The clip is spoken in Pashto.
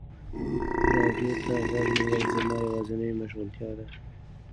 راډیو ته غوږ نیول زما یوازینی مشغولتیا ده.